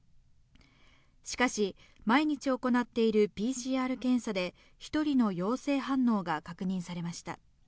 しかし、毎日行っているＰＣＲ検査で、１人の陽性反応が確認されました。